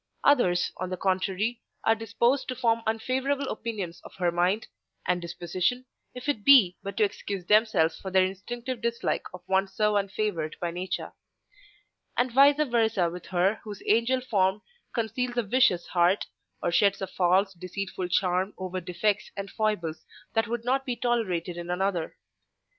Others, on the contrary, are disposed to form unfavourable opinions of her mind, and disposition, if it be but to excuse themselves for their instinctive dislike of one so unfavoured by nature; and vice versâ with her whose angel form conceals a vicious heart, or sheds a false, deceitful charm over defects and foibles that would not be tolerated in another.